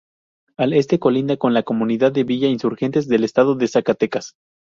Al este colinda con la comunidad de Villa Insurgentes, del estado de Zacatecas.